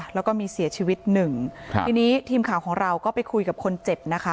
แล้วก็มีเสียชีวิตหนึ่งครับทีนี้ทีมข่าวของเราก็ไปคุยกับคนเจ็บนะคะ